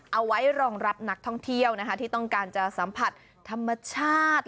เอาไว้รองรับนักท่องเที่ยวนะคะที่ต้องการจะสัมผัสธรรมชาติ